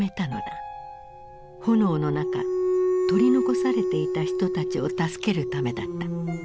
炎の中取り残されていた人たちを助けるためだった。